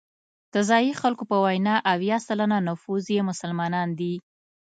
د ځایي خلکو په وینا اویا سلنه نفوس یې مسلمانان دي.